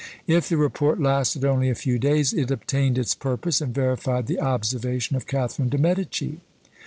If the report lasted only a few days, it obtained its purpose, and verified the observation of Catharine de' Medici.